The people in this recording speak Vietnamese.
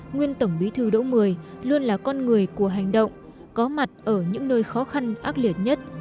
nguyên tổng bí thư đỗ mười luôn là con người của hành động có mặt ở những nơi khó khăn ác liệt nhất